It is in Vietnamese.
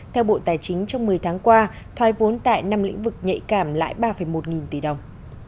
theo bộ tài chính trong một mươi tháng qua thoái vốn tại năm lĩnh vực nhạy cảm lãi ba một nghìn tỷ đồng